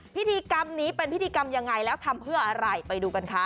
พิธีกรรมนี้เป็นพิธีกรรมยังไงแล้วทำเพื่ออะไรไปดูกันค่ะ